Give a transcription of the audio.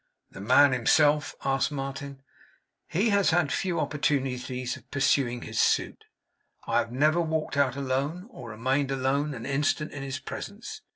'The man himself? ' asked Martin. 'He has had few opportunities of pursuing his suit. I have never walked out alone, or remained alone an instant in his presence.